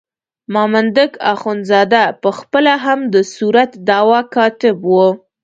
مامدک اخندزاده په خپله هم د صورت دعوا کاتب وو.